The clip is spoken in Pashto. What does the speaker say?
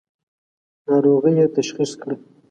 ناروغۍ یې تشخیص کړه.